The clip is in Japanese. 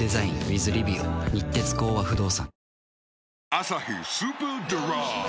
「アサヒスーパードライ」